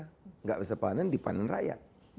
tidak bisa panen dipanen raya